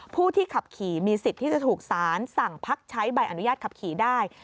ผู้ที่ขับขี่มีสิทธิ์ที่จะถูกสารสั่งพักใช้ใบอนุญาตขับขี่ได้